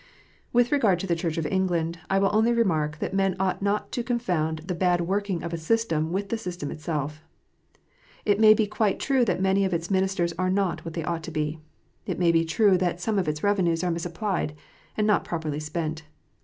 With regard to the Church of England, I will only remark that men ought not to confound the bad working of a system with the system itself. It may be quite true that many of its ministers are not what they ought to be. It may be true that some of its revenues are misapplied, and not properly spent.